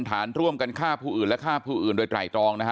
ฐานร่วมกันฆ่าผู้อื่นและฆ่าผู้อื่นโดยไตรตรองนะฮะ